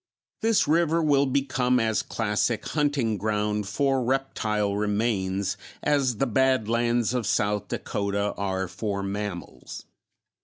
This river will become as classic hunting ground for reptile remains as the Badlands of South Dakota are for mammals.